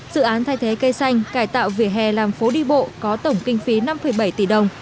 dự án thay thế cây xanh cải tạo vỉa hè làm phố đi bộ có tổng kinh phí năm bảy tỷ đồng